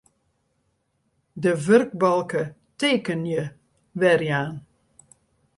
De wurkbalke Tekenje werjaan.